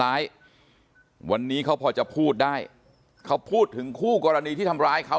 ร้ายวันนี้เขาพอจะพูดได้เขาพูดถึงคู่กรณีที่ทำร้ายเขา